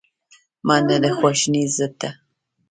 منډه د خواشینۍ ضد ده